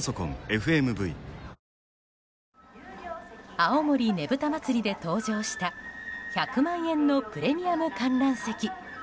青森ねぶた祭で登場した１００万円のプレミアム観覧席。